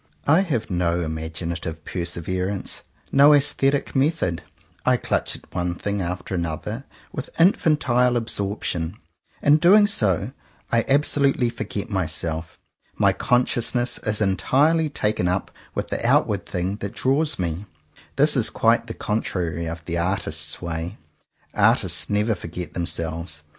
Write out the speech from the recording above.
I have no imaginative perseverance, no aesthetic method. I clutch at one thing after another with infantile absorption. In doing so I absolutely forget myself. My consciousness is entirely taken up with the outward thing that draws me. This is quite the contrary of the artist's way. Artists never forget themselves.